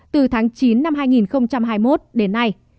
từ tháng chín năm hai nghìn hai mươi một đến nay